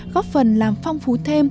góp phần làm phong phú thêm